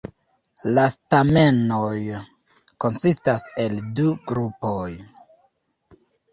La stamenoj konsistas el du grupoj.